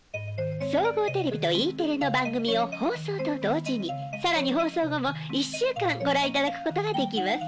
総合テレビとＥテレの番組を放送と同時に更に放送後も１週間ご覧いただくことができます。